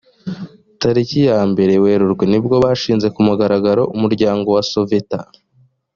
taliki ya mbere werurwe ni bwo bashinze ku mugaragaro umuryango soveta